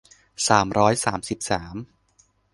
สามร้อยสามสิบสาม